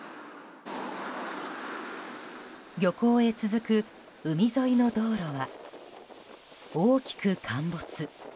漁港へ続く海沿いの道路は大きく陥没。